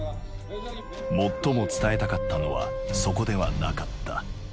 最も伝えたかったのはそこではなかった。